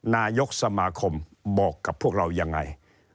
นายกสมาคมบอกกับพวกเรายังไง